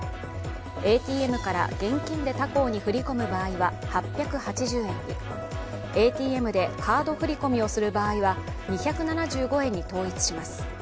ＡＴＭから現金で他行に振り込む場合は８８０円にＡＴＭでカード振り込みをする場合は２７５円に統一します。